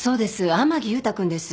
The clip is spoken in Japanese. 天樹勇太君です。